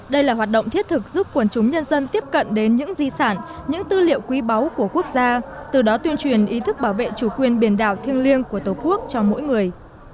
đây là hoạt động thiết thực giúp quần chúng nhân dân tiếp cận đến những di sản những tư liệu quý báu của quốc gia từ đó tuyên truyền ý thức bảo vệ chủ quyền biển đảo thiêng liêng của tổ quốc cho mỗi người